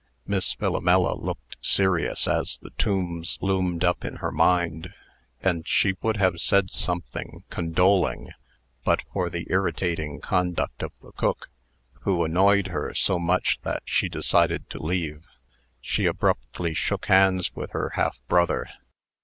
Miss Philomela looked serious as the Tombs loomed up in her mind, and she would have said something condoling, but for the irritating conduct of the cook, who annoyed her so much that she decided to leave. She abruptly shook hands with her half brother.